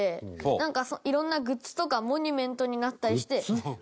なんかいろんなグッズとかモニュメントになったりして。